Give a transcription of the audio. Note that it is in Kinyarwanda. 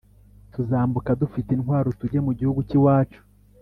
Tuzambuka dufite intwaro tujye mu gihugu cy iwacu